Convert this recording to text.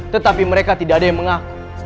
tetapi mereka tidak ada yang mengaku